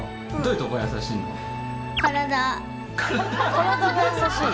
体が優しい。